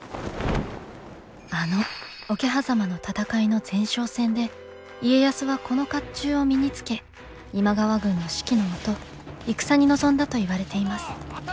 あの桶狭間の戦いの前哨戦で家康はこの甲冑を身に着け今川軍の指揮の下戦に臨んだといわれています。